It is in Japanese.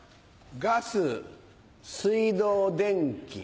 ガス水道電気。